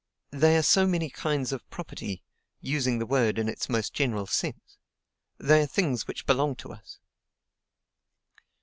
They are so many kinds of property, using the word in its most general sense: they are things which belong to us."